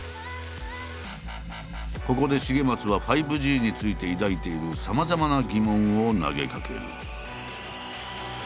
ここで重松は５Ｇについて抱いているさまざまな疑問を投げかける。